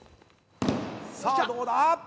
さあどうだ！